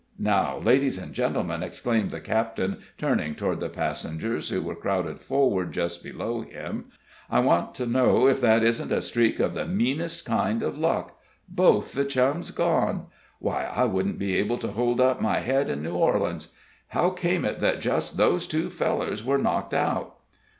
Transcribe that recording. Now, ladies and gentlemen," exclaimed the captain, turning toward the passengers, who were crowded forward just below him, "I want to know if that isn't a streak of the meanest kind of luck? Both the Chums gone! Why, I won't be able to hold up my head in New Orleans. How came it that just those two fellows were knocked out?"